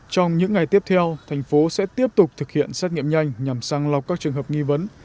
trong những ngày tiếp theo thành phố sẽ tiếp tục thực hiện xét nghiệm nhanh nhằm sang lọc các trường hợp nghi vấn